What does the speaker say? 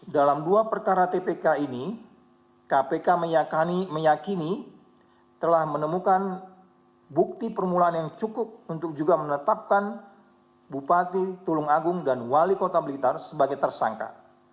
dalam dua perkara tpk ini kpk meyakini telah menemukan bukti permulaan yang cukup untuk juga menetapkan bupati tulung agung dan wali kota blitar sebagai tersangka